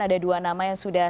ada dua nama yang sudah